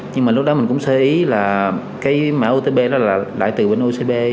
nhưng mà lúc đó mình cũng xây ý là cái mã otp đó là lại từ bên otp